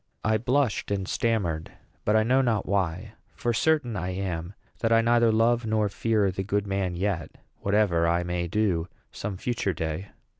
I blushed and stammered; but I know not why; for certain I am that I neither love nor fear the good man yet, whatever I may do some future day.